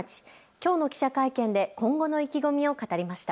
きょうの記者会見で今後の意気込みを語りました。